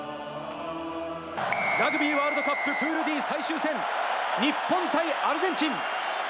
ラグビーワールドカップ、プールＤ最終戦、日本対アルゼンチン。